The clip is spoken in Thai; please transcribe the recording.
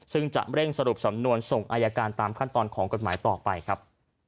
ซึ่งจะเร่งสรุปสำนวนส่งอายการตามขั้นตอนของกฎหมายต่อไปครับ